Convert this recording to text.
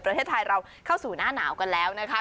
ประเทศไทยเราเข้าสู่หน้าหนาวกันแล้วนะคะ